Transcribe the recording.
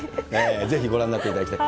ぜひご覧になっていただきたい。